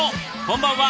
こんばんは。